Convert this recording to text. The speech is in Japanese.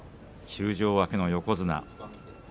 休場明けの横綱。